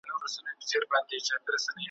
چې غواړي افغانستان بې ریښې